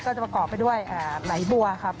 จะประกอบไปด้วยไหลบัวครับ